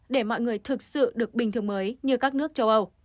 để mọi người thực sự được bình thường mới như các nước châu âu